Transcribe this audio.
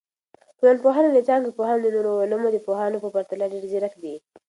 ټولنپوهنه د څانګي پوهان د نورو علومو د پوهانو په پرتله ډیر ځیرک دي.